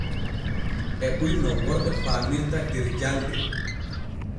E ɓuri no worɓe faamirta der jande.